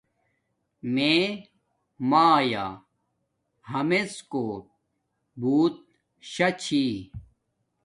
میے مایآ حملڎ کوٹ بوت شاہ چھی